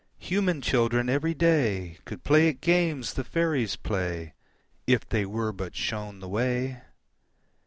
Human children every day Could play at games the faeries play If they were but shown the way.